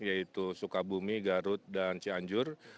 yaitu sukabumi garut dan cianjur